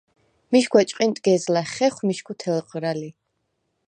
მიშგვა ჭყინტგეზლა̈ ხეხვ მიშგუ თელღრა ლი.